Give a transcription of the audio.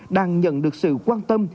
đang nhận được sự quan tâm